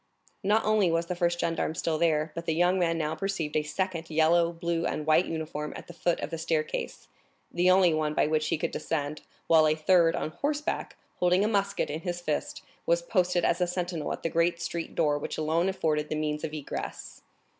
Not only was the first gendarme still there, but the young man now perceived a second yellow, blue, and white uniform at the foot of the staircase, the only one by which he could descend, while a third, on horseback, holding a musket in his fist, was posted as a sentinel at the great street door which alone afforded the means of egress.